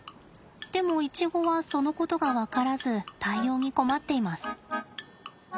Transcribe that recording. でもイチゴはそのことが分からず対応に困っています。